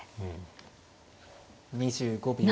２５秒。